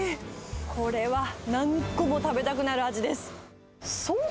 これは何個も食べたくなる味です。